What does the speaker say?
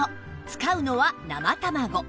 使うのは生卵